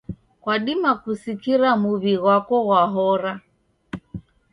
Kwadima kusikira muw'i ghwako ghwahora.